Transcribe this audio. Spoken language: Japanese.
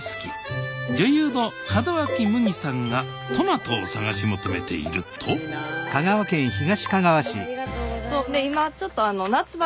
女優の門脇麦さんがトマトを探し求めているとありがとうございます。